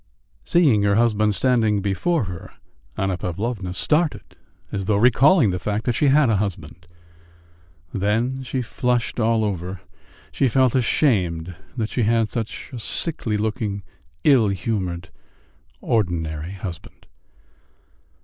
Seeing her husband standing before her, Anna Pavlovna started as though recalling the fact that she had a husband; then she flushed all over: she felt ashamed that she had such a sickly looking, ill humoured, ordinary husband.